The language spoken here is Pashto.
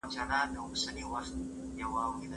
ایا ماشومانو ته مو واکسین کړي دي؟